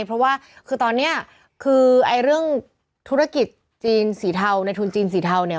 เพราะว่าคือตอนนี้คือไอ้เรื่องธุรกิจจีนสีเทาในทุนจีนสีเทาเนี่ย